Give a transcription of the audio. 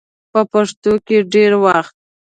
په پښتو کې ډېر وخت